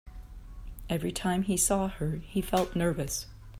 Every time he saw her, he felt nervous.